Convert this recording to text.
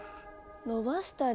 伸ばしたり。